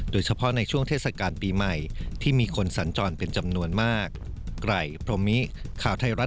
โดยเฉพาะในช่วงเทศกาลปีใหม่ที่มีคนสัญจรเป็นจำนวนมาก